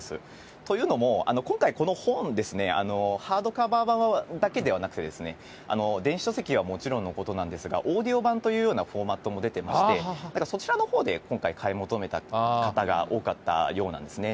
というのも、今回、この本ですね、ハードカバー版だけではなくて、電子書籍はもちろんのことなんですが、オーディオ版というようなフォーマットも出てまして、そちらのほうで今回、買い求めた方が多かったようなんですね。